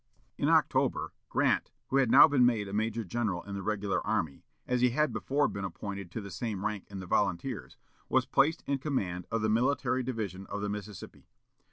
In October, Grant, who had now been made a major general in the regular army, as he had before been appointed to the same rank in the volunteers, was placed in command of the military division of the Mississippi.